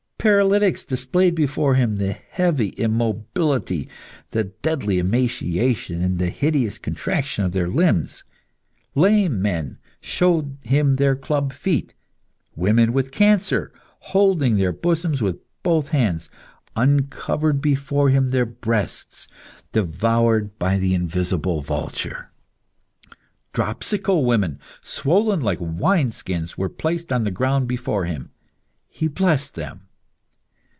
Paralytics displayed before him the heavy immobility, the deadly emaciation, and the hideous contractions of their limbs; lame men showed him their club feet; women with cancer, holding their bosoms with both hands, uncovered before him their breasts devoured by the invisible vulture. Dropsical women, swollen like wine skins were placed on the ground before him. He blessed them.